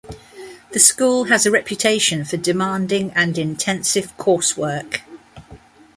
The school has a reputation for demanding and intensive coursework.